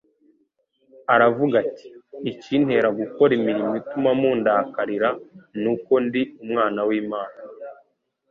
Aravuga ati: ikintera gukora imirimo ituma mundakarira ni uko ndi Umwana w'Imana,